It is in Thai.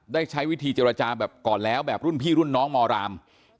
ได้ใช้วิธีเจรจาแบบก่อนแล้วแบบรุ่นพี่รุ่นน้องมราม